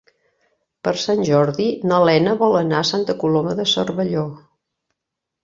Per Sant Jordi na Lena vol anar a Santa Coloma de Cervelló.